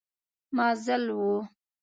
مزل و.